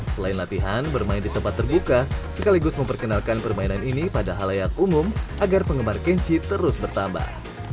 selain latihan bermain di tempat terbuka sekaligus memperkenalkan permainan ini pada halayak umum agar penggemar kenji terus bertambah